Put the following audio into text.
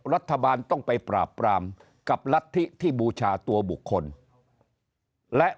รัฐบาลต้องไปปราบปรามกับรัฐธิที่บูชาตัวบุคคลและ